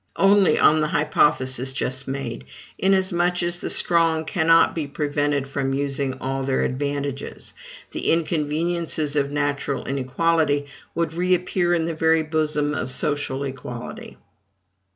Only, on the hypothesis just made, inasmuch as the strong cannot be prevented from using all their advantages, the inconveniences of natural inequality would reappear in the very bosom of social equality.